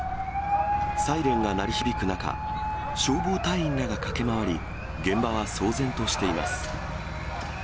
サイレンが鳴り響く中、消防隊員らが駆け回り、現場は騒然としています。